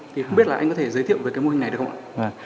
thì không biết là anh có thể giới thiệu về cái mô hình này được không ạ